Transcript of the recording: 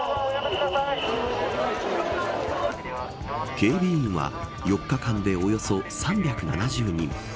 警備員は４日間でおよそ３７０人。